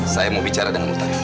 saya mau bicara dengan muttarif